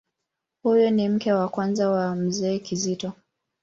Huyu ni mke wa kwanza wa Mzee Kizito.